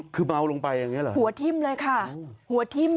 คือเบาลงไปอย่างนี้เหรอหัวทิ้มเลยค่ะหัวทิ้ม